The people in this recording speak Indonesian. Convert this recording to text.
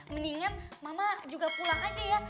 mendingan mama juga pulang aja ya